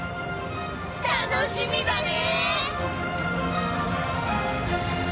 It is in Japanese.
楽しみだね！